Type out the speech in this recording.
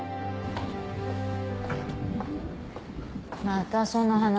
またその話？